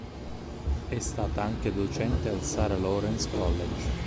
È stata anche docente al Sarah Lawrence College.